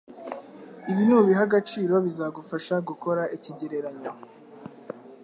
Ibi nubiha agaciro bizagufasha gukora ikigereranyo